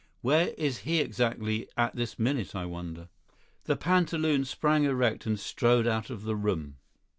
Where is he exactly at this minute, I wonder." The pantaloon sprang erect and strode out of the room.